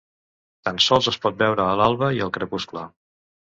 Tan sols es pot veure a l'alba i al crepuscle.